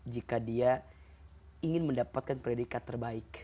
jika dia ingin mendapatkan predikat terbaik